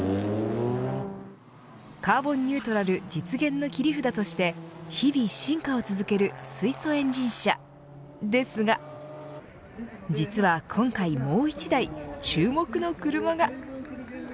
カーボンニュートラル実現の切り札として日々進化を続ける水素エンジン車ですが実は、今回もう１台注目の車が。